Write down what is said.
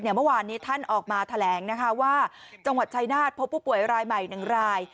เมื่อวานนี้ท่านออกมาแถลงว่าจังหวัดชายนาฏพบผู้ป่วยรายใหม่๑ราย